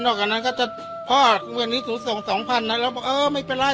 นอกจากนั้นก็จะพ่อวันนี้ถูกส่งสองพันนะแล้วบอกเออไม่เป็นไร